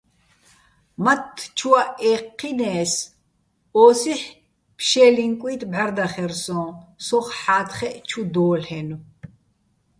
მათთ ჩუაჸ ე́ჴჴინეს, ოსი́ჰ̦ ფშე́ლიჼ კუჲტი̆ ბღარდახერსოჼ სოხ ჰ̦ა́თხეჸ ჩუ დო́ლ'ენო̆.